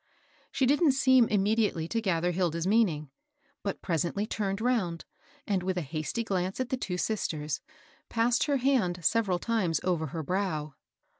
She didn't seem immediately to gather Hilda's meaning ; but presently turned round, and, with a hasty glance at the two sisters, passed hec hand several times over her brow.